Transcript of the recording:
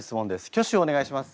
挙手をお願いします。